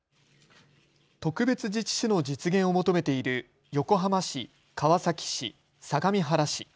特別自治市の実現を求めている横浜市、川崎市、相模原市。